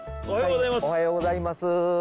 おはようございます。